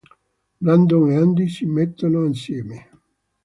Brandon e Andy si mettono assieme.